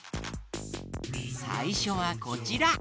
さいしょはこちら。